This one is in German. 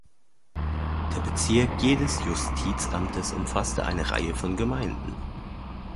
Der Bezirk jedes Justizamtes umfasste eine Reihe von Gemeinden.